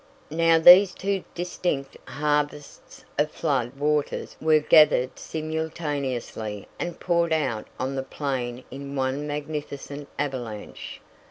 Now these two distinct harvests of flood waters were gathered simultaneously and poured out on the plain in one magnificent avalanche.